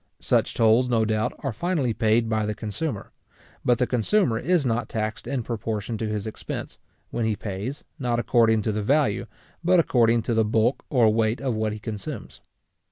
Such tolls, no doubt, are finally paid by the consumer; but the consumer is not taxed in proportion to his expense, when he pays, not according to the value, but according to the bulk or weight of what he consumes.